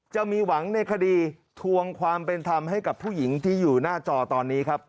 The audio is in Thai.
จะมีหวังในคดีทวงความเป็นธรรมให้กับผู้หญิงที่อยู่หน้าจอตอนนี้ครับ